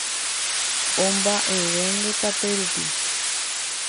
Omba'evende tape rupi